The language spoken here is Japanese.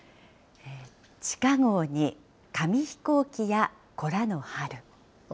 地下壕に紙飛行機や子らの春。